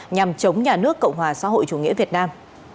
nhằm chống nhà nước cộng hòa xã hội chủ nghĩa việt nam